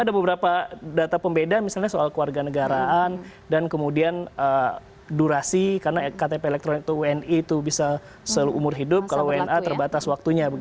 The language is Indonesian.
ada beberapa data pembeda misalnya soal keluarga negaraan dan kemudian durasi karena ktp elektronik itu wni itu bisa seumur hidup kalau wna terbatas waktunya